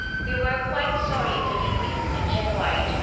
We were quite sorry to leave it on January 24.